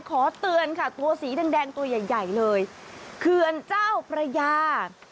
ขอเตือนค่ะตัวสีแดงตัวใหญ่ใหญ่เลยเขื่อนเจ้าพระยา